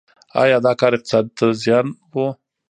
آیا دا کار اقتصاد ته زیان و؟